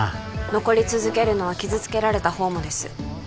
残り続けるのは傷つけられたほうもです